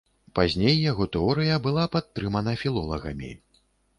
Пазней яго тэорыя была падтрымана філолагамі.